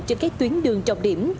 trên các tuyến đường trọng điểm